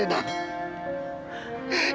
ibu ambar sangat marah